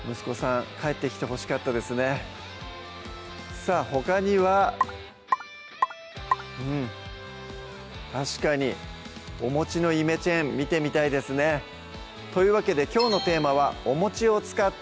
さぁほかにはうん確かにおのイメチェン見てみたいですねというわけできょうのテーマは「おを使って！」